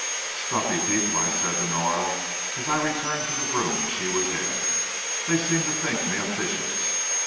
"Stuffy people!" I said to Norah, as I returned to the room she was in. "They seemed to think me officious."